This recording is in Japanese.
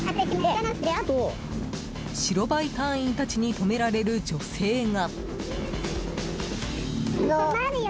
白バイ隊員たちに止められる女性が。